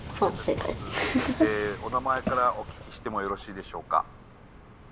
お名前からお聞きしてもよろしいでしょうか？